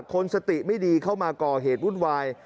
คนสติไม่ดีเข้ามาก่อเหตุวุ่นวาย